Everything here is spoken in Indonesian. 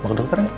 mau ke dokter gak